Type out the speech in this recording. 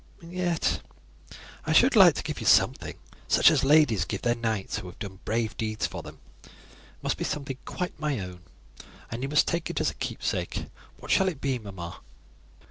And yet I should like to give you something, such as ladies give their knights who have done brave deeds for them. It must be something quite my own, and you must take it as a keepsake. What shall it be, mamma?"